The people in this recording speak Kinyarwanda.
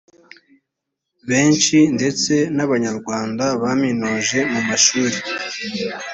benshi ndetse n’abanyarwanda baminuje mu mashuri